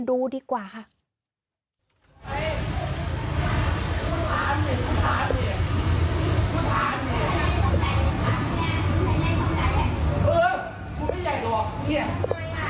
ดูดีกว่าค่ะ